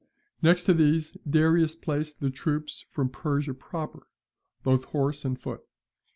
Next to these Darius placed the troops from Persia proper, both horse and foot.